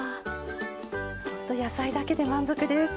ほんと野菜だけで満足です。